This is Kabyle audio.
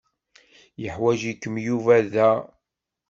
Yeḥwaǧ-ikem Yuba da.